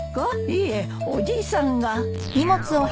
いえおじいさんが。